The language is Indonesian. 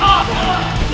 gak ada masalah